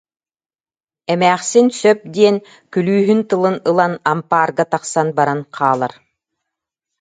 Эмээхсин сөп диэн, күлүүһүн тылын ылан, ампаарга тахсан баран хаалар